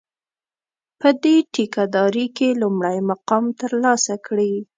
په دې ټېکه داري کې لومړی مقام ترلاسه کړي.